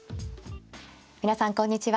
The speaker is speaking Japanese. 皆さんこんにちは。